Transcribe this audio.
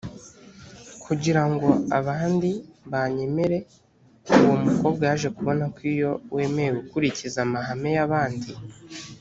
kugira ngo abandi banyemere uwo mukobwa yaje kubona ko iyo wemeye gukurikiza amahame y abandi